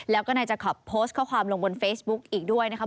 แล้วก็นายจะขอโพสต์ข้อความลงบนเฟซบุ๊กอีกด้วยนะครับ